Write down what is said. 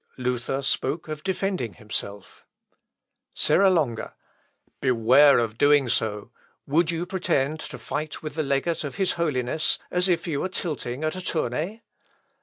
Luther spoke of defending himself. Serra Longa. "Beware of doing so!... Would you pretend to fight with the legate of his holiness, as if you were tilting at a tournay?"